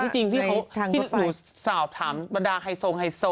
จริงที่หนูสอบถามบรรดาไฮโซไฮโซ